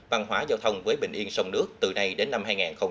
văn hóa giao thông với bình yên sông nước từ nay đến năm hai nghìn hai mươi